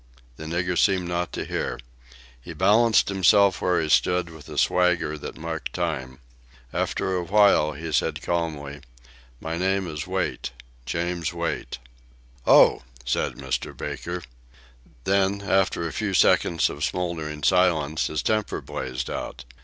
The nigger seemed not to hear. He balanced himself where he stood in a swagger that marked time. After a moment he said calmly: "My name is Wait James Wait." "Oh!" said Mr. Baker. Then, after a few seconds of smouldering silence, his temper blazed out.